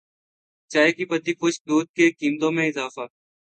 چائے کی پتی خشک دودھ کی قیمتوں میں اضافہ